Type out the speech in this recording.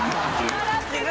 笑ってる！